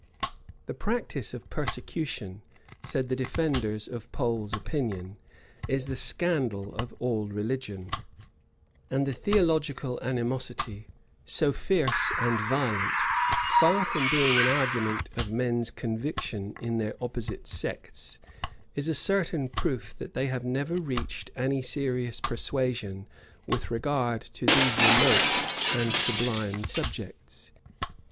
* Heylin, p. 47. The practice of persecution, said the defenders of Pole's opinion, is the scandal of all religion; and the theological animosity, so fierce and violent, far from being an argument of men's conviction in their opposite sects, is a certain proof that they have never reached any serious persuasion with regard to these remote and sublime subjects.